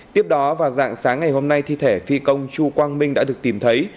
tiếp đó vào dạng sáng ngày hôm nay thi thể phi công chu quang minh đã được tìm thấy